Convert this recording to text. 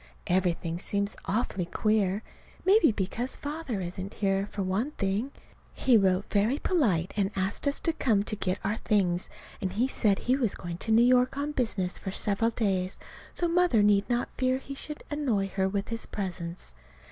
Everything seems awfully queer. Maybe because Father isn't here, for one thing. He wrote very polite and asked us to come to get our things, and he said he was going to New York on business for several days, so Mother need not fear he should annoy her with his presence.